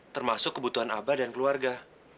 termasuk kebutuhan abah dan keluarga